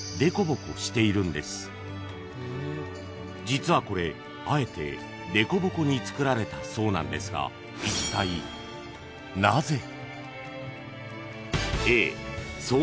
［実はこれあえてでこぼこにつくられたそうなんですがいったいなぜ？］